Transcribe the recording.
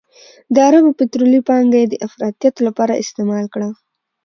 د عربو پطرولي پانګه یې د افراطیت لپاره استعمال کړه.